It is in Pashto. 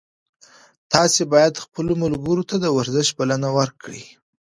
تاسي باید خپلو ملګرو ته د ورزش بلنه ورکړئ.